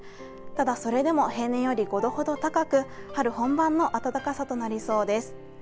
ただ、それでも平年より５度ほど高く、春本番の暖かさとなりそうです。